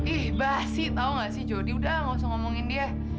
ih basi tau nggak sih jody udah nggak usah ngomongin dia